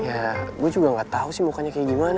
ya gue juga gak tau sih mukanya kayak gimana